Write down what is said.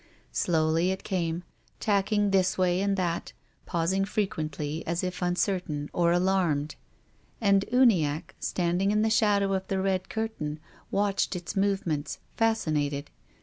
Slowly it came, tacking this way and that, pausing fre quently as if uncertain or alarmed. And Uni acke, standing in the shadow of the red curtain, watched its movements, fascinated.